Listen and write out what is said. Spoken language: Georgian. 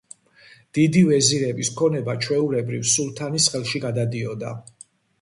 დიდი ვეზირების ქონება ჩვეულებრივ სულთანის ხელში გადადიოდა.